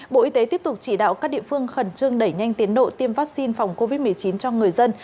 bộ y tế tiếp tục chỉ đạo các địa phương khẩn trương đẩy nhanh tiến độ tiêm vaccine phòng covid một mươi chín cho người dân